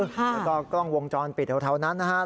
แล้วก็กล้องวงจรปิดแถวนั้นนะครับ